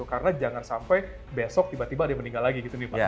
karena jangan sampai besok tiba tiba ada yang meninggal lagi